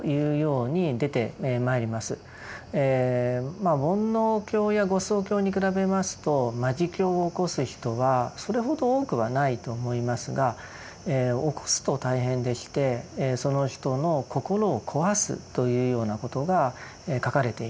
まあ煩悩境や業相境に比べますと魔事境を起こす人はそれほど多くはないと思いますが起こすと大変でしてその人の心を壊すというようなことが書かれています。